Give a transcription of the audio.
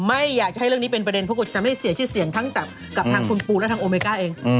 ไม่อยากจะให้เรื่องนี้เป็นประเด็นเพราะกลัวจะทำให้เสียชื่อเสียงทั้งกับทางคุณปูและทางโอเมก้าเอง